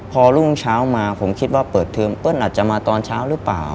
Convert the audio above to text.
พอรุ่งเช้ามาผมคิดว่าเปิดเทอมเปิ้ลอาจจะมาตอนเช้าหรือเปล่า